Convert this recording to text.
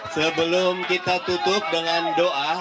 sebelum kita tutup dengan doa